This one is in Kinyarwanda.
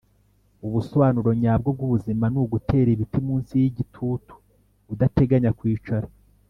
ubusobanuro nyabwo bwubuzima ni ugutera ibiti munsi yigitutu udateganya kwicara.